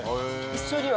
一緒には？